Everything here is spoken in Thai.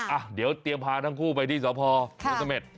อ่าเดี๋ยวเตรียมพาทั้งคู่ไปที่สพโรสเมศ